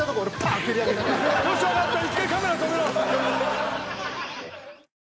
よしわかった。